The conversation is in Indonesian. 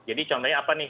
jadi contohnya apa nih